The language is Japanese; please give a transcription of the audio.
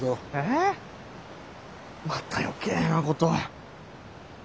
えまた余計なことを。